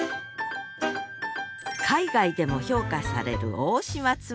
海外でも評価される大島紬。